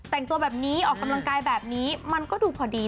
แต่งตัวแบบนี้ออกกำลังกายแบบนี้มันก็ดูพอดี